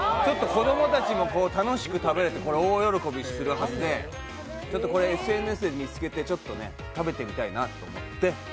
子供たちも楽しく食べれて大喜びするはずで、これ、ＳＮＳで見つけてちょっと食べてみたいなって。